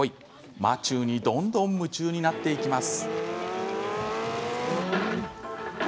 マチューにどんどん夢中になっていきます。